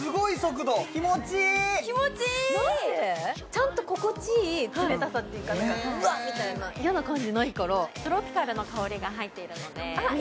ちゃんと心地いい冷たさっていうかうわっみたいな嫌な感じないからトロピカルな香りが入っているのであっ